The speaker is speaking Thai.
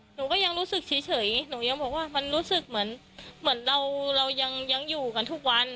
หนูก็ยังรู้สึกเฉยหนูยังบอกว่ามันรู้สึกเหมือนเราเรายังอยู่กันทุกวัน